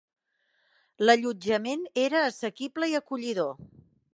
L'allotjament era assequible i acollidor.